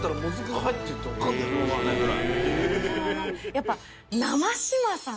やっぱ。